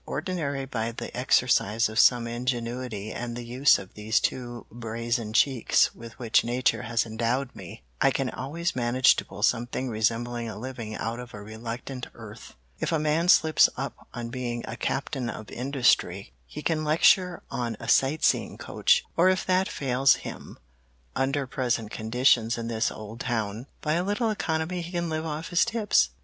"Ordinary by the exercise of some ingenuity and the use of these two brazen cheeks with which nature has endowed me, I can always manage to pull something resembling a living out of a reluctant earth. If a man slips up on being a Captain of Industry he can lecture on a sight seeing coach, or if that fails him under present conditions in this old town, by a little economy he can live on his tips."